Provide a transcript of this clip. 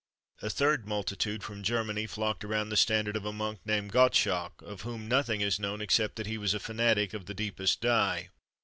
A third multitude from Germany flocked around the standard of a monk named Gottschalk, of whom nothing is known except that he was a fanatic of the deepest dye.